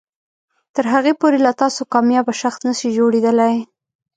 تر هغې پورې له تاسو کاميابه شخص نشي جوړیدلی